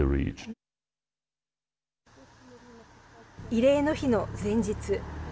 慰霊の日の前日。